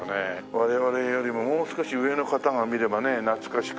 我々よりももう少し上の方が見ればね懐かしく。